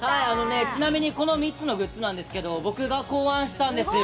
ちなみにこの３つのグッズなんですけれども、僕が考案したんですよ。